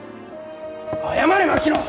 謝れ槙野！